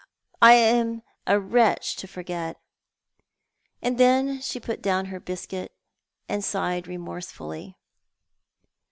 " I am a wretch to forget," nnd then she put down her biscuit and sighed remorsefully.